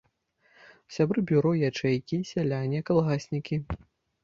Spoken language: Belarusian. Сябры бюро ячэйкі, сяляне, калгаснікі.